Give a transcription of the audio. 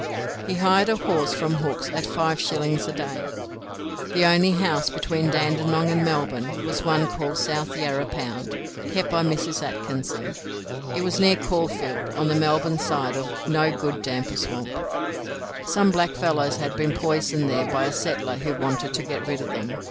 He hired a horse from Hooks at five shillings a day. The only house between Dandenong and Melbourne was once called the South Yarra Pound, kept by Mrs. Atkinson. It was near Caulfield, on the Melbourne side of "No good damper swamp." Some blackfellows had been poisoned there by a settler who wanted to get rid of them.